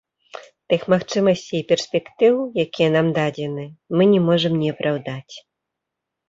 Тых магчымасцей і перспектыў, якія нам дадзены, мы не можам не апраўдаць.